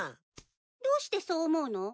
どうしてそう思うの？